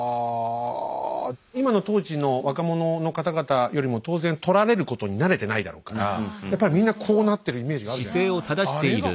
今の当時の若者の方々よりも当然撮られることに慣れてないだろうからやっぱりみんなこうなってるイメージがあるじゃないですか。